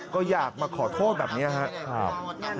ก็อยากมาขอโทษแบบนี้ครับ